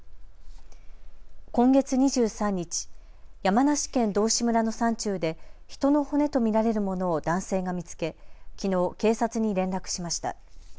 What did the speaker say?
今月２３日、山梨県道志村の山中で人の骨と見られるものを男性が見つけ、きのう警察に連絡しました。